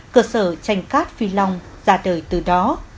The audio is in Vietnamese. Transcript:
cơ sở tranh cát phi long ra đời từ đó